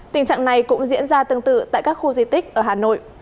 tình trạng này cũng diễn ra tương tự tại các khu di tích ở hà nội